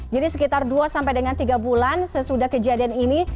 jadi sekitar dua sampai dengan tiga bulan sesudah kejadian ini